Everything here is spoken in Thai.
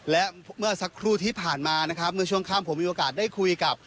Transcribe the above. และเมื่อสักครู่ที่ผ่านมานะครับเมื่อช่วงข้ามผมมีโอกาสได้คุยกับ